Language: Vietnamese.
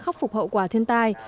khắc phục hậu quả thiên tai